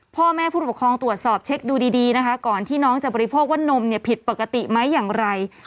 พ่อแม่ผู้ปกครองตรวจสอบเช็คดูดีนะคะก่อนที่น้องจะบริโภคว่านมเนี่ยผิดปกติไหมอย่างไร